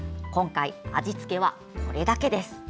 今回、味付けはこれだけです。